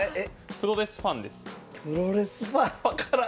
プロレスファン。